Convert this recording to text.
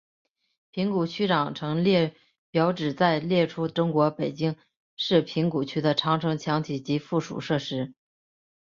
平谷区长城列表旨在列出中国北京市平谷区的长城墙体及附属设施。